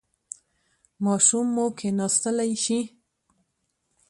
ماشوم مو کیناستلی شي؟